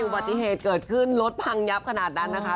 ปฏิเหตุเกิดขึ้นรถพังยับขนาดนั้นนะคะ